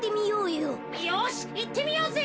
よしいってみようぜ！